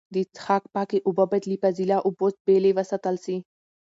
د څښاک پاکې اوبه باید له فاضله اوبو بېلې وساتل سي.